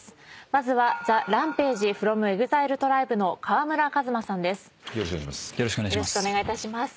まずはＴＨＥＲＡＭＰＡＧＥｆｒｏｍＥＸＩＬＥＴＲＩＢＥの川村壱馬さんです。